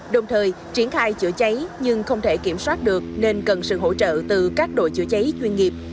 đồng thời triển khai chữa cháy nhưng không thể kiểm soát được nên cần sự hỗ trợ từ các đội chữa cháy chuyên nghiệp